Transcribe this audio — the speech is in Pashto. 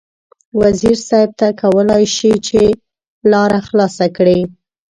وزیر صیب ته کولای شې چې لاره خلاصه کړې.